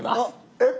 えっ？